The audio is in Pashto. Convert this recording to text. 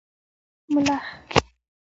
🦗 ملخ